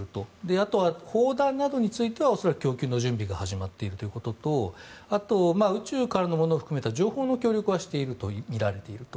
あとは砲弾などについては恐らく供給の準備が始まっているということとあと、宇宙からのものを含めた情報の協力はしているとみられていると。